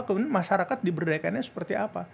kemudian masyarakat diberdayakannya seperti apa